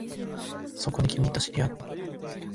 そこで、君と知り合った